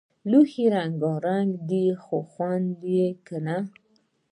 لوښي رنګونک دي خوند نۀ که